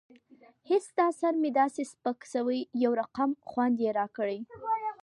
هېڅ دا سر مې داسې سپک سوى يو رقم خوند يې راکړى.